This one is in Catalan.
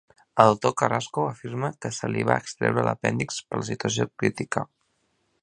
El doctor Carrasco afirma que se li va extreure l'apèndix per la situació crítica.